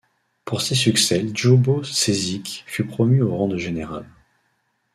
Pour ces succès, Ljubo Ćesić fut promu au rang de général.